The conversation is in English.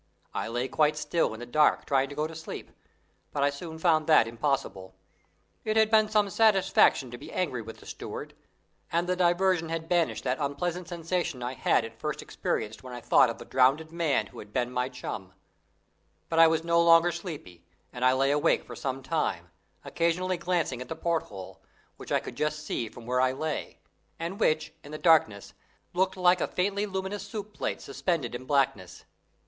I lay quite still in the dark trying to go to sleep, but I soon found that impossible. It had been some satisfaction to be angry with the steward, and the diversion had banished that unpleasant sensation I had at first experienced when I thought of the drowned man who had been my chum; but I was no longer sleepy, and I lay awake for some time, occasionally glancing at the porthole, which I could just see from where I lay, and which, in the darkness, looked like a faintly luminous soup plate suspended in blackness.